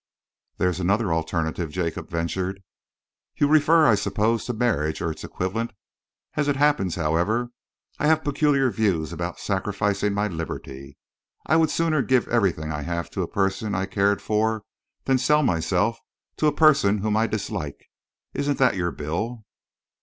"There is another alternative," Jacob ventured. "You refer, I suppose, to marriage or its equivalent? As it happens, however, I have peculiar views about sacrificing my liberty. I would sooner give everything I have to a person I cared for than sell myself to a person whom I disliked. Isn't that your bill?"